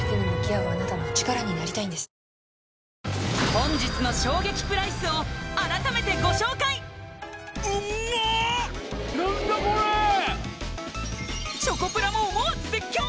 本日の衝撃プライスを改めてご紹介チョコプラも思わず絶叫！